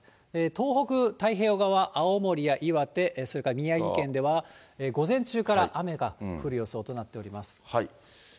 東北太平洋側、青森や岩手、それから宮城県では午前中から雨が降る予想となっております。